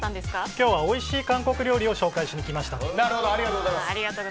今日はおいしい韓国料理を紹介しに来ましたと。